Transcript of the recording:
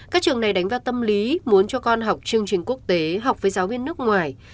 các trường này đánh vào tâm lý muốn cho con học chương trình quốc tế học với giáo viên nước ngoài